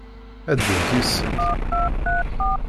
Ad d-ddunt yid-sent?